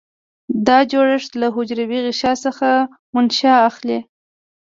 دا جوړښت له حجروي غشا څخه منشأ اخلي.